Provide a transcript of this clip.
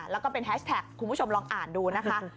แล้วก็เป็นแฮชแท็กคุณผู้ชมลองอ่านดูนะคะ